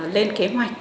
lên kế hoạch